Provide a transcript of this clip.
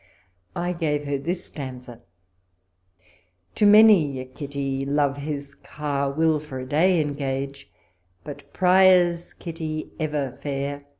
I gave her this stanza : To many a Kitty, Love liis car Will for a day engage, But Prior's Kitty, ever fair.